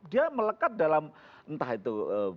dia melekat dalam entah itu